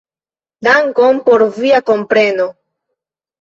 Dankon por via kompreno.